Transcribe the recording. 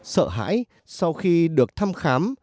sợ hãi sau khi được thăm khám